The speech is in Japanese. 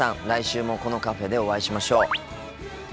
来週もこのカフェでお会いしましょう。